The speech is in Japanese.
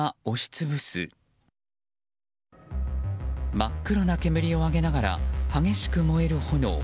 真っ黒な煙を上げながら激しく燃える炎。